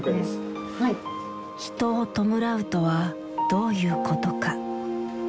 人を弔うとはどういうことか。